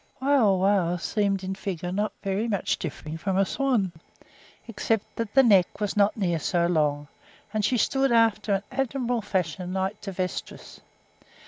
Wauwau seemed in figure not very much differing from a swan, except that the neck was not near so long, and she stood after an admirable fashion like to Vestris.